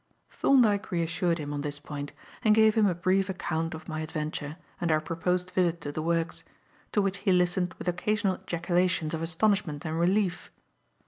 Thorndyke reassured him on this point and gave him a brief account of my adventure and our proposed visit to the works; to which he listened with occasional ejaculations of astonishment and relief.